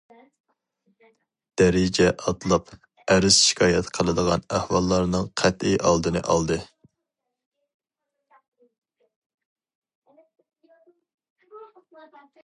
دەرىجە ئاتلاپ ئەرز- شىكايەت قىلىدىغان ئەھۋاللارنىڭ قەتئىي ئالدىنى ئالدى.